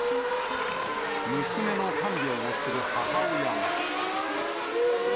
娘の看病をする母親は。